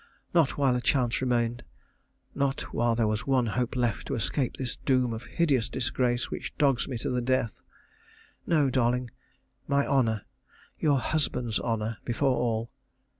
Not while a chance remained. Not while there was one hope left to escape this doom of hideous disgrace which dogs me to the death. No, darling, my honour your husband's honour before all.